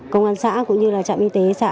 công an xã cũng như là trạm y tế xã